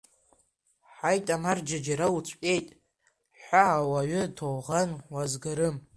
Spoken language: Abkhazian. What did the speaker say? Ҳаит, амарџьа, џьара уҵкәеит ҳәа ауаҩы ҭоуӷан уазгарым!